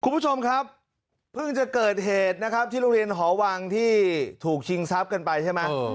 คุณผู้ชมครับเพิ่งจะเกิดเหตุนะครับที่โรงเรียนหอวังที่ถูกชิงทรัพย์กันไปใช่ไหม